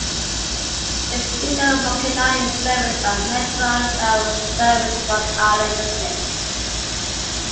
The Village of Mokena is serviced by the Metra rail service Rock Island District.